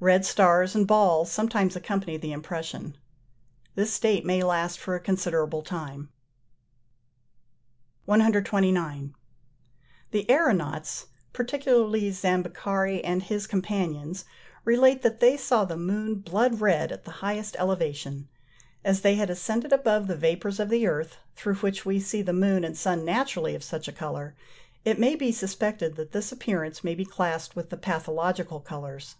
Red stars and balls sometimes accompany the impression. This state may last for a considerable time. 129. The aëronauts, particularly Zambeccari and his companions, relate that they saw the moon blood red at the highest elevation. As they had ascended above the vapours of the earth, through which we see the moon and sun naturally of such a colour, it may be suspected that this appearance may be classed with the pathological colours.